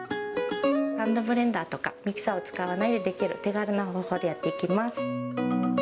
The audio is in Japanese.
ハンドブレンダーとかミキサーを使わないでできる手軽な方法でやっていきます。